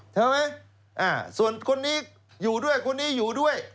ใช่ไหมส่วนคนนี้อยู่ด้วยคนนี้อยู่ด้วย